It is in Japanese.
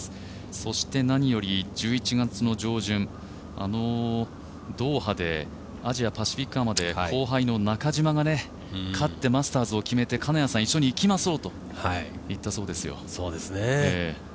そして何より１１月上旬、あのドーハでアジアパシフィックアマで後輩の中島が勝ってマスターズを決めて金谷さん、一緒に行きましょうと言ったそうですよ。